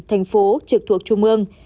thành phố trực thuộc trung ương